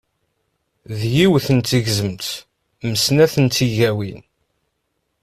D yiwet n tegzemt m snat n tigawin.